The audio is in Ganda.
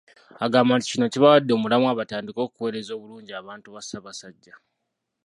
Agamba nti kino kibawadde omulamwa batandike okuweereza obulungi abantu ba Ssaabasajja.